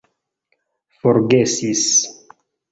forgesis